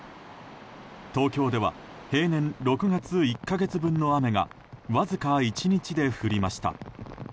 東京では平年６月１か月分の雨がわずか１日で降りました。